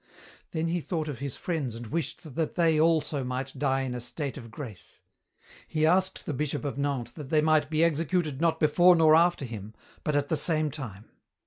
Then he thought of his friends and wished that they also might die in a state of grace. He asked the Bishop of Nantes that they might be executed not before nor after him, but at the same time.